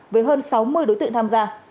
với hơn sáu mươi đối tượng tham gia